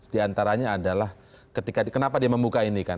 diantaranya adalah kenapa dia membuka ini kan